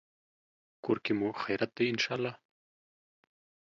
کور کې مو خیریت دی، ان شاءالله